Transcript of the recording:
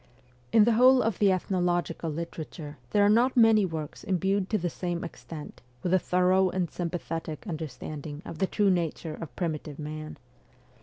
In the whole of the ethnological literature there are not many works imbued to the same extent with a thorough and sym pathetic understanding of the true nature of primitive man.